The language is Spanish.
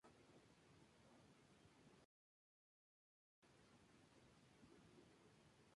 Él mismo da conferencias sobre temas de superación.